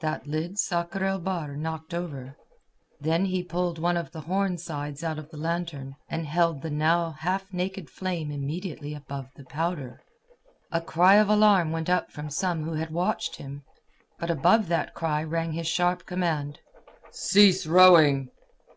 That lid Sakr el Bahr knocked over; then he pulled one of the horn sides out of the lantern, and held the now half naked flame immediately above the powder. A cry of alarm went up from some who had watched him. But above that cry rang his sharp command: "Cease rowing!"